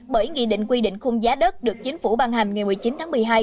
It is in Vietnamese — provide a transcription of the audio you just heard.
bởi nghị định quy định khung giá đất được chính phủ ban hành ngày một mươi chín tháng một mươi hai